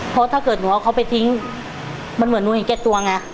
เพราะถ้าเกิดหนูเอาเขาไปทิ้งมันเหมือนหนูเห็นแก่ตัวไง